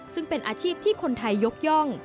ซึ่งเป็นอาชีพที่คนไทยยกย่อง